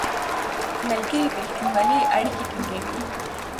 ملګري په رښتینولۍ اړیکې ټینګوي